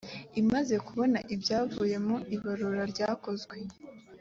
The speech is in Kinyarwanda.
imaze kubona ibyavuye mu ibarura ryakozwe